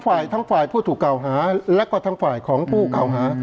ทั้งฝ่ายผู้ถูกเก่าหาและก็ทั้งฝ่ายของผู้เก่าหา